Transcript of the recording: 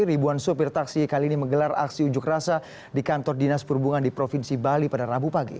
ribuan sopir taksi kali ini menggelar aksi unjuk rasa di kantor dinas perhubungan di provinsi bali pada rabu pagi